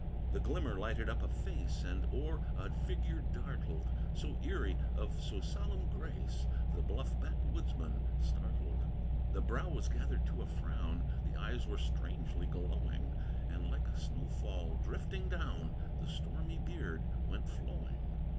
The glimmer lighted up a face, And o'er a figure dartled, So eerie, of so solemn grace, The bluff backwoodsman startled. The brow was gathered to a frown, The eyes were strangely glowing, And, like a snow fall drifting down, The stormy beard went flowing.